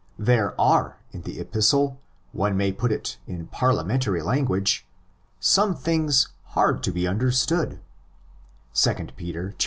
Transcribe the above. There are in the Epistle, one may put it in parliamentary language, some things hard to be understood (ἐστὶ δυσνόητά τινα, 2 Peter iii.